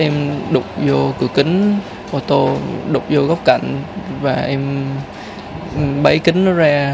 em đục vô cửa kính ô tô đục vô góc cạnh và em bấy kính nó ra